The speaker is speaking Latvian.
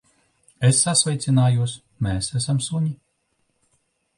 Es sasveicinājos. Mēs esam suņi.